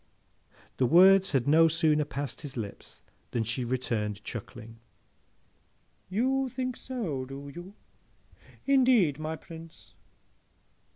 The words had no sooner passed his lips than she returned, chuckling, 'You think so, do you? Indeed, my Prince?